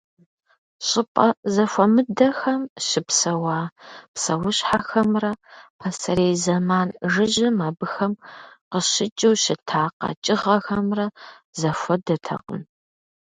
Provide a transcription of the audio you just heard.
Щӏыпӏэ зэхуэмыдэхэм щыпсэуа псэущхьэхэмрэ пасэрей зэман жыжьэм абыхэм къыщыкӏыу щыта къэкӏыгъэхэмрэ зэхуэдэтэкъым.